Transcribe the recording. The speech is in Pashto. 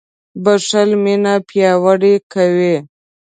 • بښل مینه پیاوړې کوي.